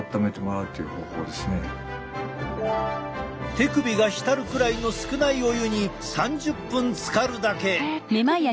手首が浸るくらいの少ないお湯に３０分つかるだけ！